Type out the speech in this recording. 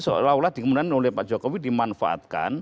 seolah olah dikemudian oleh pak jokowi dimanfaatkan